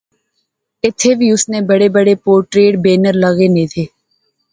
ایتھیں وی اس نے بڑے بڑے پورٹریٹ بینر لغے نے سے